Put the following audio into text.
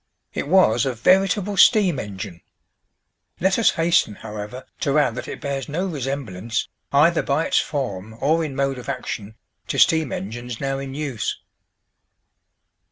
It was a veritable steam engine! Let us hasten, however, to add that it bears no resemblance, either by its form or in mode of action, to steam engines now in use."